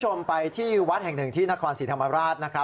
รีบจมไปที่วัดแห่งหนึ่งที่นครสิริธรรมราศนะคะ